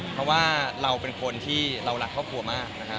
เพราะว่าเราเป็นคนที่เรารักครอบครัวมากนะครับ